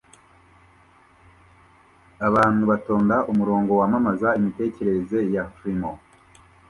Abantu batonda umurongo wamamaza imitekerereze ya Freemont